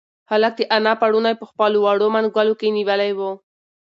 هلک د انا پړونی په خپلو وړو منگولو کې نیولی و.